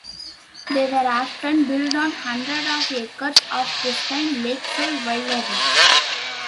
They were often built on hundreds of acres of pristine lakeside wilderness.